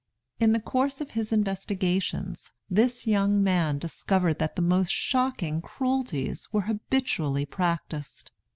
In the course of his investigations, this young man discovered that the most shocking cruelties were habitually practised.